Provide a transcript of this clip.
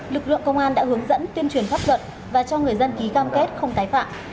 lực lượng công an đã hướng dẫn tuyên truyền pháp luật và cho người dân ký cam kết không tái phạm